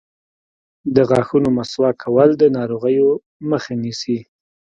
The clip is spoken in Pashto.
د غاښونو مسواک کول د ناروغیو مخه نیسي.